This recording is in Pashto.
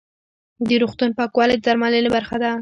د روغتون پاکوالی د درملنې برخه ده.